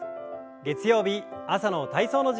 月曜日朝の体操の時間です。